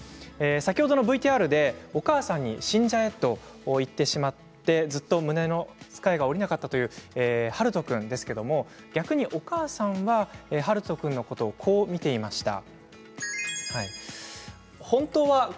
先ほどのＶＴＲで、お母さんに死んじゃえと言ってしまってずっと胸のつかえが下りなかったという、はると君ですけれども逆に、お母さんははると君のことをこう見ていました。